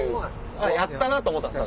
やったな！と思ったんすよ